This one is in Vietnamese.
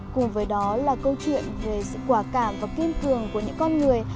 cùng với đó là câu chuyện về sự quả cảm và kiên cường của những con người